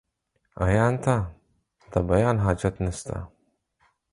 عيان ته ، د بيان حاجت نسته.